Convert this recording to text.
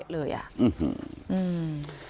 อืมอืม